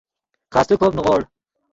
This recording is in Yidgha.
خاستے کوپ نیغوڑ